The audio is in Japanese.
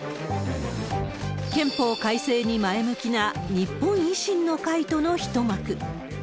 憲法改正に前向きな日本維新の会との一幕。